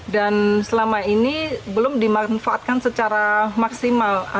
dan selama ini belum dimanfaatkan secara maksimal